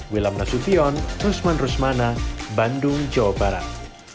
wilam nasution rusman rusmana bandung jawa barat